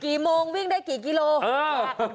กี่โมงวิ่งได้กี่กิโลเอ้อตรงไป